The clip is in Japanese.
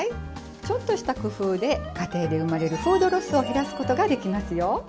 ちょっとした工夫で家庭で生まれるフードロスを減らすことができますよ。